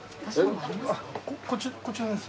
こちらです。